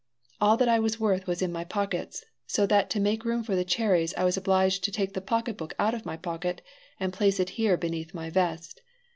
All that I was worth was in my pockets, so that to make room for the cherries I was obliged to take the pocket book out of my pocket and place it here beneath my vest.